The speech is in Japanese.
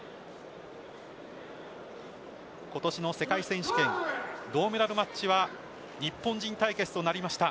今年の世界選手権銅メダルマッチは日本人対決となりました。